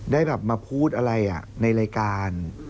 ได้แบบมาพูดอะไรในรายการ